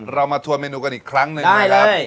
เรามาทัวร์เมนูกันอีกครั้งหนึ่งนะครับ